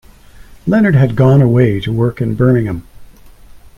Leonard had gone away to work in Birmingham.